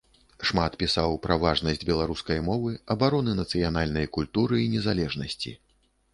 Шмат пісаў пра важнасць беларускай мовы, абароны нацыянальнай культуры і незалежнасці.